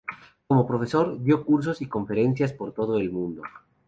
Como profesor, dio cursos y conferencias por todo el mundo.